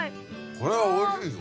これはおいしいぞ。